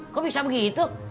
kok bisa begitu